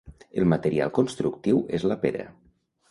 El material constructiu és la pedra.